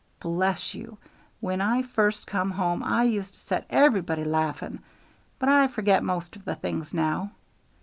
Bless you! when I first come home I used to set everybody laughing, but I forget most of the things now.